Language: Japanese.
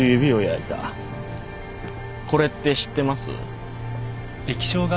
これって知ってます？